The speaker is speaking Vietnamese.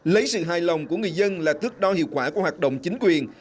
lấy sự hài lòng của người dân là thước đo hiệu quả của hoạt động chính quyền